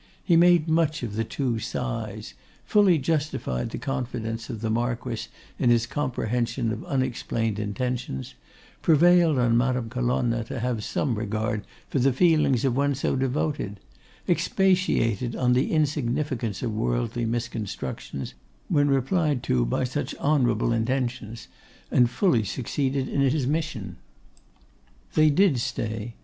He made much of the two sighs; fully justified the confidence of the Marquess in his comprehension of unexplained intentions; prevailed on Madame Colonna to have some regard for the feelings of one so devoted; expatiated on the insignificance of worldly misconstructions, when replied to by such honourable intentions; and fully succeeded in his mission. They did stay.